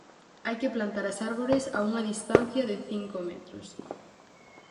Hai que plantar as árbores a unha distancia de cinco metros.